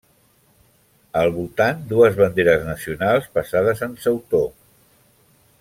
Al voltant, dues banderes nacionals passades en sautor.